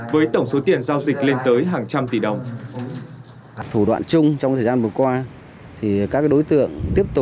với tổng số tiền giao dịch lên tới hàng trăm tỷ đồng